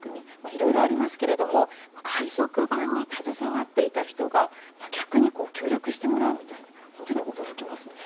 いろいろありますが海賊版に携わっていた人が逆に、協力してもらうみたいなことは本当に驚きますね。